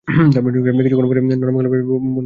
কিছুক্ষণ পরই নরম গলায় বললেন, কিছু মনে করো না।